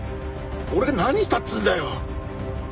俺が何したっつうんだよ？